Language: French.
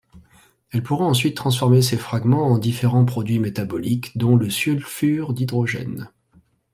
Elle pourra ensuite transformer ces fragments en différents produits métaboliques, dont le sulfure d'hydrogène.